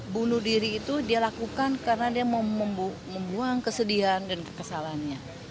bunuh diri itu dia lakukan karena dia mau membuang kesedihan dan kekesalannya